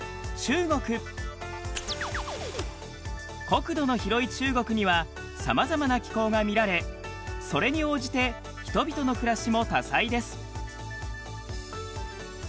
国土の広い中国にはさまざまな気候が見られそれに応じて人々のくらしも多彩です。